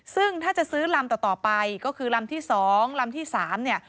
ซึ่งถ้าจะซื้อลำต่อไปก็คือลำที่๒ลำที่๓เนี่ย